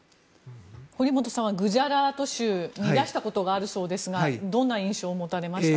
堀本さんはグジャラート州にいらしたことがあるそうですがどんな印象を持たれましたか？